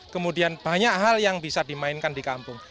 kemudian banyak hal yang bisa dimainkan di kampung